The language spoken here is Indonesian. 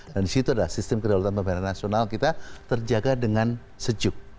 dan di situ ada sistem kedaulatan pembayaran nasional kita terjaga dengan sejuk